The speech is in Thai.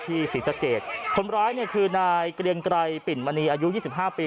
ศรีสะเกดคนร้ายเนี่ยคือนายเกรียงไกรปิ่นมณีอายุยี่สิบห้าปี